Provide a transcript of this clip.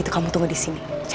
aku akan mencari cherry